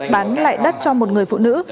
bán lại đất cho một người phụ nữ